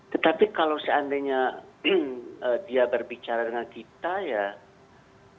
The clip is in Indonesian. tetapi kalau seandainya dia berbicara dengan kita dia alepas